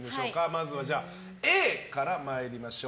まずはＡから参りましょう。